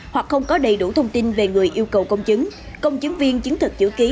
hoặc không có đầy đủ thông tin về người yêu cầu công chứng công chứng viên chứng thực chữ ký